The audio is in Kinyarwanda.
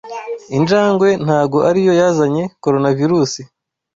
Injangwe ntago ariyo yazanye Coronavirusi.